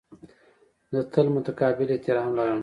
زه تل متقابل احترام لرم.